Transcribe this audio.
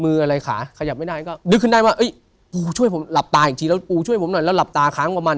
นึกถึงหลวงปูหรือสีที่ผมนับถึง